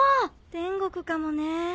天国かもね。